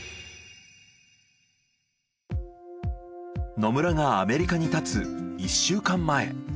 野村がアメリカにたつ１週間前。